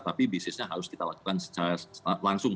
tapi bisnisnya harus kita lakukan secara langsung